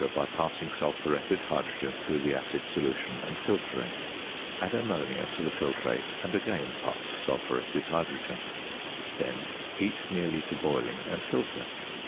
by passing sulphuretted hydrogen through the acid solution and filtering; add ammonia to the filtrate, and again pass sulphuretted hydrogen; then heat nearly to boiling, and filter.